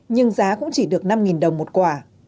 nhưng giá cũng chỉ được năm đồng một quả